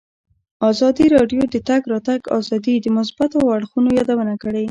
ازادي راډیو د د تګ راتګ ازادي د مثبتو اړخونو یادونه کړې.